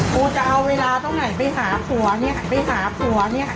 กูจะเอาเวลาเท่าไหร่ไปหาผัวเนี่ยไปหาผัวเนี่ย